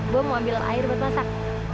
gue mau ambil air buat masak